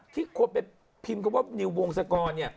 ที่ควรไปพิมพ์ว่านิววงศกร